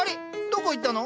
どこ行ったの？